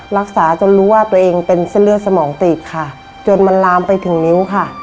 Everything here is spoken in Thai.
จนรู้ว่าตัวเองเป็นเส้นเลือดสมองตีบค่ะจนมันลามไปถึงนิ้วค่ะ